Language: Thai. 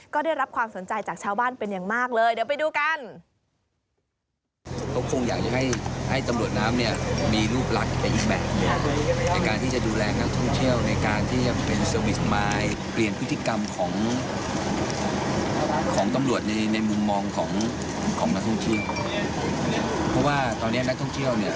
ก็ได้รับความสนใจจากชาวบ้านเป็นอย่างมากเลยเดี๋ยวไปดูกัน